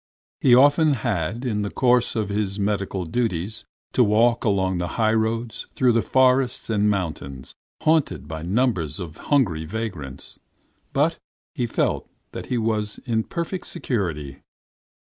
He often had in the course of his medical duties to walk along the highroads, through the forests and mountains haunted by numbers of hungry vagrants; but he felt that he was in perfect security.